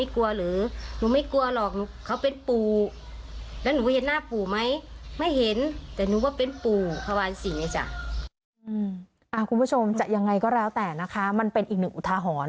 คุณผู้ชมจะยังไงก็แล้วแต่นะคะมันเป็นอีกหนึ่งอุทาหรณ์